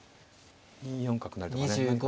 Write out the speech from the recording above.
２四角成とかね何か。